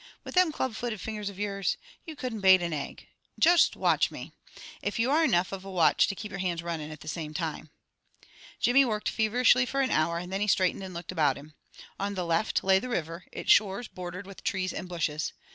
With them club footed fingers of yours? You couldn't bate an egg. Just watch me! If you are enough of a watch to keep your hands runnin' at the same time." Jimmy worked feverishly for an hour, and then he straightened and looked about him. On the left lay the river, its shores bordered with trees and bushes.